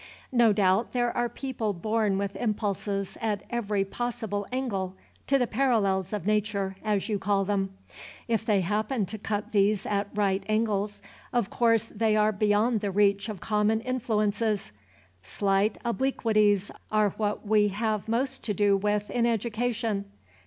No doubt there are people born with impulses at every possible angle to the parallels of Nature, as you call them. If they happen to cut these at right angles, of course they are beyond the reach of common influences. Slight obliquities are what we have most to do with in education.